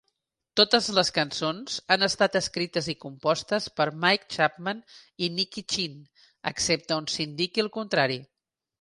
Totes les cançons han estat escrites i compostes per Mike Chapman i Nicky Chinn, excepte on s'indiqui el contrari.